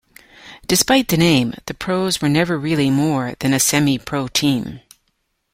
Despite the name, the Pros were never really more than a semi-pro team.